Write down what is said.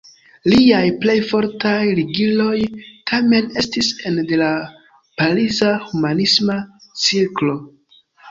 Liaj plej fortaj ligiloj, tamen, estis ene de la pariza humanisma cirklo.